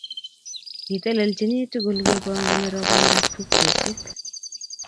Kitelenchini tugul kepangami rokondab tupcheshek